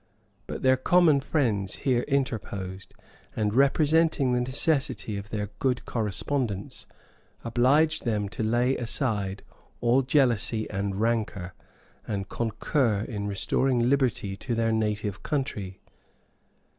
But their common friends here interposed; and representing the necessity of their good correspondence, obliged them to lay aside all jealousy and rancor, and concur in restoring liberty to their native country.